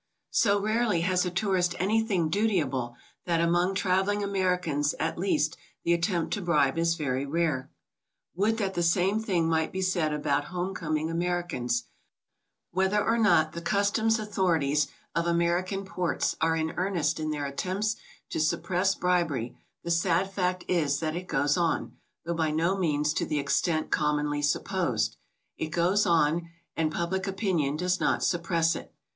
So rarely has a tourist anything dutiable, that among traveling Americans, at least, the at tempt to bribe is very rare. Would that the same thing might be said about home coming Americans! Whether or not the customs authorities of American ports are in earnest in their attempts to sup press bribery, the sad fact is that it goes on, though by no means to the extent commonly supposed. It goes on and public opinion does not suppress it.